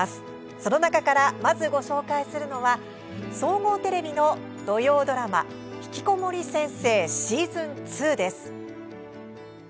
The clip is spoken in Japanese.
その中から、まずご紹介するのは総合テレビの土曜ドラマ「ひきこもり先生シーズン２」です。